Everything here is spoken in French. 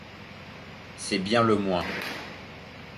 C'est bien le moins.